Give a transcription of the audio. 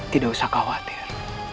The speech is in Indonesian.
tidak usah khawatir